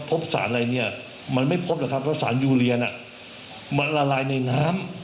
พบสารอะไรเนี่ยมันไม่พบหรอกครับว่าสารยูเรียนมันละลายในน้ำ